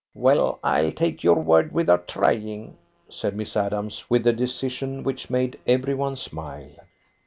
"Well, I'll take your word without trying," said Miss Adams, with a decision which made every one smile.